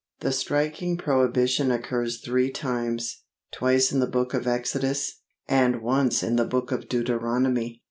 '_ The striking prohibition occurs three times twice in the Book of Exodus, and once in the Book of Deuteronomy.